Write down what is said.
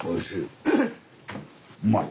うまい！